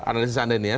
analisis anda ini ya